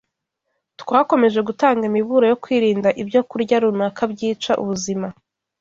Twakomeje gutanga imiburo yo kwirinda ibyokurya runaka byica ubuzima